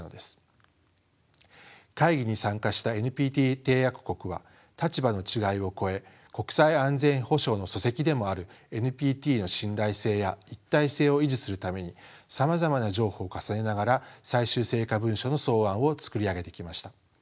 会議に参加したＮＰＴ締約国は立場の違いを超え国際安全保障の礎石でもあるＮＰＴの信頼性や一体性を維持するためにさまざまな譲歩を重ねながら最終成果文書の草案を作り上げてきました。